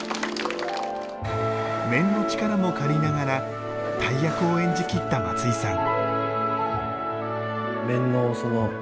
面の力も借りながら大役を演じきった松井さん。